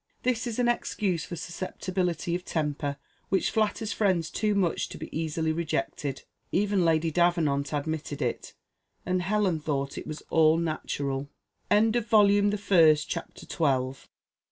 This is an excuse for susceptibility of temper which flatters friends too much to be easily rejected. Even Lady Davenant admitted it, and Helen thought it was all natural. CHAPTER XIII. Lady Cecilia was now impati